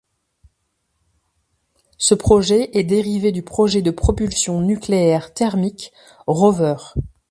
Ce projet est dérivé du projet de propulsion nucléaire thermique Rover.